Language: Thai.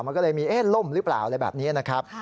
มันก็เลยมีเอ๊ะล่มหรือเปล่าอะไรแบบนี้นะครับ